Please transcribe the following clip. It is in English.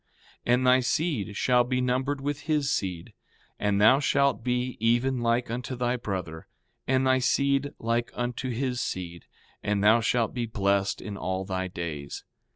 And thy seed shall be numbered with his seed; and thou shalt be even like unto thy brother, and thy seed like unto his seed; and thou shalt be blessed in all thy days.